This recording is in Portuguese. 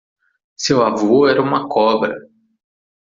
Seu avô era uma cobra.